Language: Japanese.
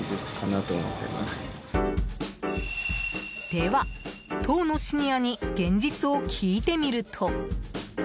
では当のシニアに現実を聞いてみると。